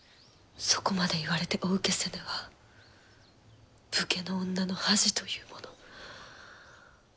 そこまで言われてお受けせぬは武家の女の恥というもの。